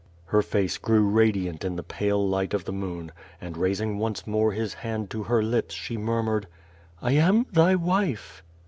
, Her face grew radiant in the pale light of the moon, and raising once more his hand to her lips, she murmured: "I am thy wife."